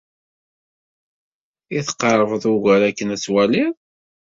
I tqerrbed ugar akken ad twalid?